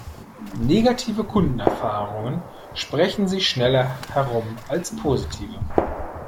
Negative Kundenerfahrungen sprechen sich schneller herum als positive.